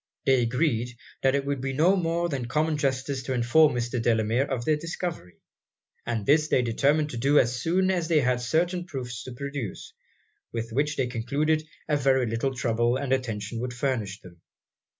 They agreed, that it would be no more than common justice to inform Mr. Delamere of their discovery; and this they determined to do as soon as they had certain proofs to produce, with which they concluded a very little trouble and attention would furnish them.